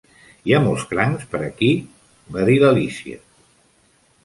"Hi ha molts crancs per aquí?" va dir l'Alícia.